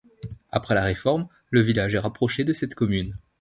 Après la Réforme, le village est rapproché de cette commune.